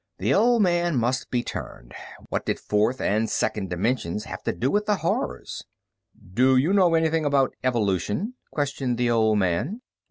The old man must be turned. What did fourth and second dimensions have to do with the Horror? "Do you know anything about evolution?" questioned the old man.